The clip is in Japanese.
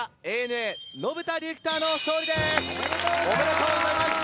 おめでとうございます！